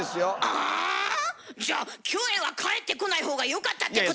あぁ⁉じゃキョエは帰ってこない方がよかったってこと